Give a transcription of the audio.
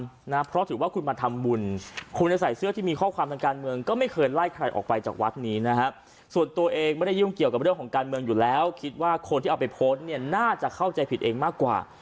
เพราะถือว่าคุณมาทำบุญคุณจะใส่เสื้อที่มีข้อความทางการเมืองก็ไม่เคยไล่ใครออกไปจากวัดนี้นะฮะส่วนตัวเองไม่ได้ยุ่งเกี่ยวกับเรื่องของการเมืองอยู่แล้วคิดว่าคนที่เอาไปโพสต์เนี่ยน่าจะเข้าใจผิดเองมากกว่า